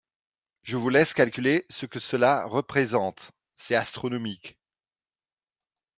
Je vous laisse calculer ce que cela représente, c’est astronomique